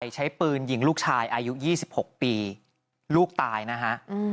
ใช้ปืนยิงลูกชายอายุ๒๖ปีลูกตายนะฮะ